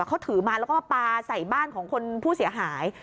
เขาถือมาแล้วก็มาปลาใส่บ้านของคนผู้เสียหาย